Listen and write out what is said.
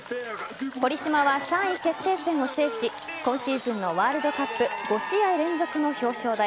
堀島は３位決定戦を制し今シーズンのワールドカップ５試合連続の表彰台。